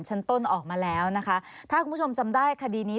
ชั้นต้นออกมาแล้วนะคะถ้าคุณผู้ชมจำได้คดีนี้